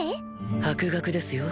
博学ですよ